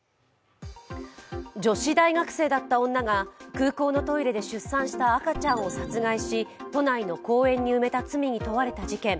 女子大学生だった女が空港のトイレで出産した赤ちゃんを殺害し都内の公園に埋めた罪に問われた事件。